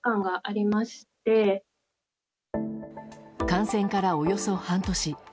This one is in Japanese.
感染からおよそ半年。